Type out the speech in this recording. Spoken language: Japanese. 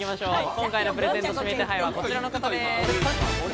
今回のプレゼント指名手配は、こちらの方です。